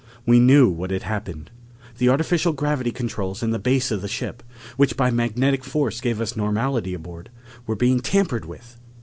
We knew what had happened: the artificial gravity controls in the base of the ship, which by magnetic force gave us normality aboard, were being tampered with!